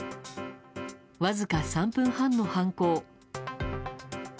わずか３分半の犯行。